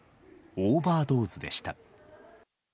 オーバードーズでした。